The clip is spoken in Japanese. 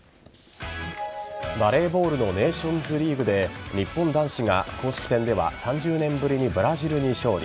バレーボールのネーションズリーグで日本男子が公式戦では３０年ぶりにブラジルに勝利。